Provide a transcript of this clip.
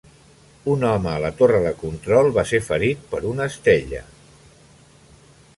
Un home a la torre de control va ser ferit per una estella.